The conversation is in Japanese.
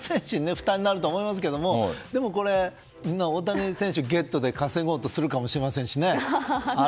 負担になると思いますが大谷選手ゲットで稼ごうとするかもしれませんしね。